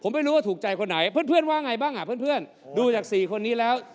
บ๊วยบ๊วยบ้างอะดูจาก๔คนนี้แล้ว